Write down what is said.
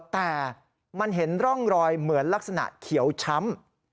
แต่มันเห็นร่องรอยเหมือนลักษณะเขียวช้ำ